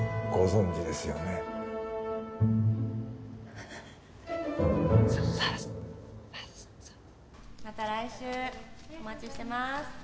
沢田さまた来週お待ちしてます